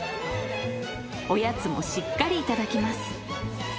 おやつもしっかり頂きます。